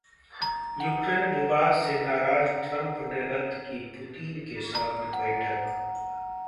Ukraine विवाद से नाराज ट्रंप ने रद्द की पुतिन के साथ बैठक